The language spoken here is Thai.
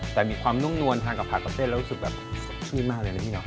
แต่มีความนุ่มนวลทานกับผักกับเส้นแล้วรู้สึกแบบเซ็กซี่มากเลยนะพี่เนอ